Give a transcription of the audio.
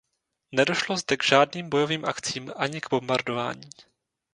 Nedošlo zde k žádným bojovým akcím ani k bombardování.